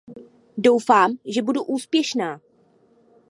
Doufám, že bude úspěšná.